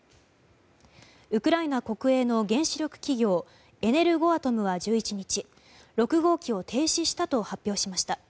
ウクライナ国営の原子力企業エネルゴアトムは１１日６号機を停止したと発表しました。